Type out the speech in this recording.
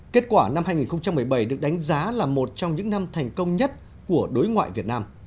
kết quả năm hai nghìn một mươi bảy được đánh giá là một trong những năm thành công nhất của đối ngoại việt nam